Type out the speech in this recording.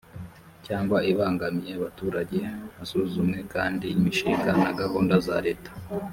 cyangwa ibangamiye abaturage hasuzumwe kandi imishinga na gahunda za leta